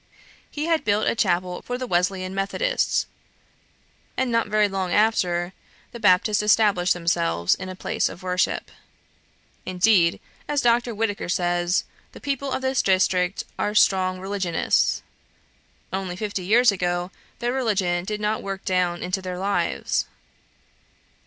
He had built a chapel for the Wesleyan Methodists, and not very long after the Baptists established themselves in a place of worship. Indeed, as Dr. Whitaker says, the people of this district are "strong religionists;" only, fifty years ago, their religion did not work down into their lives.